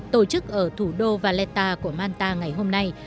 tổ chức ở thủ đô valetta của manta ngày hôm nay